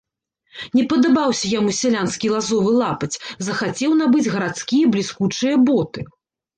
Не падабаўся яму сялянскі лазовы лапаць, захацеў набыць гарадскія бліскучыя боты.